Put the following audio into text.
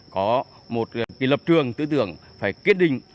có một lập trường tư tưởng phải kết định